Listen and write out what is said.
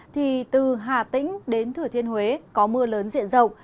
thì từ hà tĩnh đến thừa thiên huế có mưa lớn diện rộng